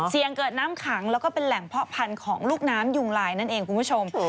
เสี่ยงเกิดน้ำขังแล้วก็เป็นแหล่งเพาะพันธุ์ของลูกน้ำยุงลายนั่นเองคุณผู้ชม